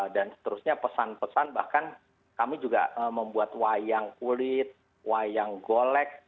dan seterusnya pesan pesan bahkan kami juga membuat wayang kulit wayang golek